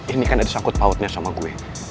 ini kan ada sangkut pautnya sama gue